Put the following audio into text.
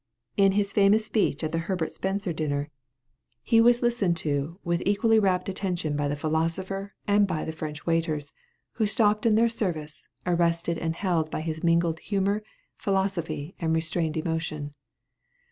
In his famous speech at the Herbert Spencer dinner he was listened to with equally rapt attention by the great philosopher and by the French waiters, who stopped in their service, arrested and held by his mingled humor, philosophy, and restrained emotion.